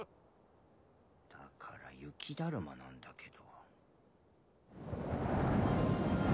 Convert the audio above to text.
だから雪だるまなんだけど。